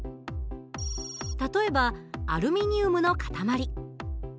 例えばアルミニウムの塊。